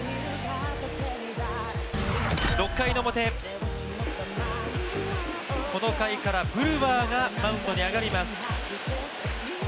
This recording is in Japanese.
６回の表、この回からブルワーがマウンドに上がります。